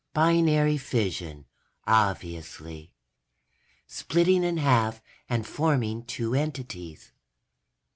_ Binary fission, obviously. Splitting in half and forming two entities.